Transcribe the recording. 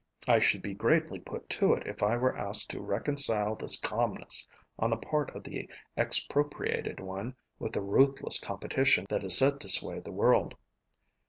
I should be greatly put to it if I were asked to reconcile this calmness on the part of the expropriated one with the ruthless competition that is said to sway the world.